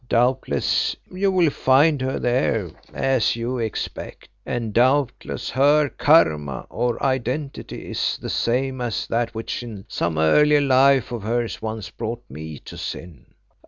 Doubtless you will find her there as you expect, and doubtless her khama, or identity, is the same as that which in some earlier life of hers once brought me to sin.